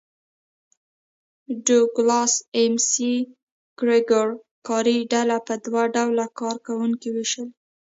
ډوګلاس اېم سي ګرېګور کاري ډله په دوه ډوله کار کوونکو وېشلې.